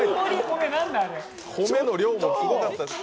米の量もすごかったです。